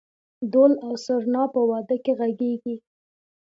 دهل او سرنا په واده کې غږیږي؟